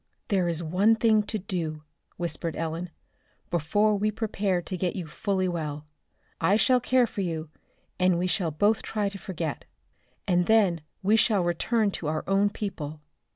"There is one thing to do," whispered Ellen, "before we prepare to get you fully well. I shall care for you, and we shall both try to forget. And then we shall return to our own people."